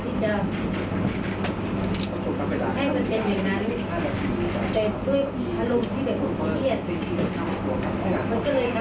ต้องกล่าวว่าจานไม่สุภาพแล้วก็ไม่สมชัวร์นะฮะ